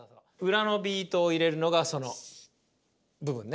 裏のビートを入れるのがその部分ね。